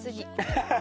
ハハハハ！